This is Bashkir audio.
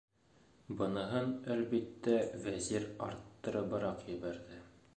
- Быныһын, әлбиттә, Вәзир арттырыбыраҡ ебәрҙе.